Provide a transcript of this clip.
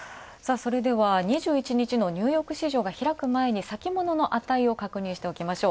それでは２１日のニューヨーク市場が開く前に、先物の値を確認しておきましょう。